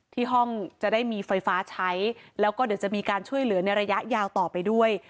ที่ห้องจะได้มีไฟฟ้าใช้แล้วก็เดี๋ยวจะมีการช่วยเหลือในระยะยาวต่อไปด้วย